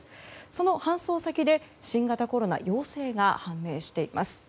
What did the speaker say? その搬送先で新型コロナ陽性が判明しています。